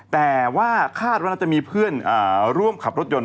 แต่ว่าคาดว่าน่าจะมีเพื่อนร่วมขับรถยนต์